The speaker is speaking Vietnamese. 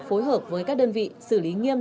phối hợp với các đơn vị xử lý nghiêm